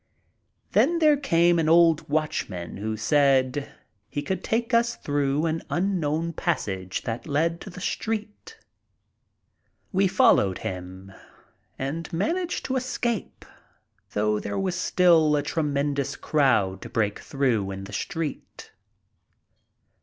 Then there came an old watchman who said he covld take us through an unknown passage that led to the street. We followed him and managed to escape, though there was still a tremendous crowd to break through in the street.